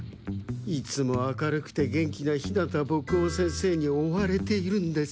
いつも明るくて元気な日向墨男先生に追われているんです。